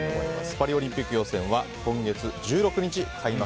パリオリンピック予選は今月１６日開幕。